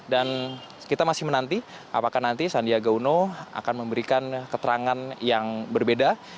dan kita masih menanti apakah nanti sandiaga uno akan memberikan keterangan yang berbeda